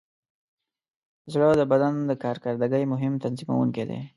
زړه د بدن د کارکردګۍ مهم تنظیموونکی دی.